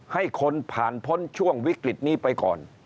ให้คนผ่านพ้นช่วงวิกฤตนี้ไปก่อน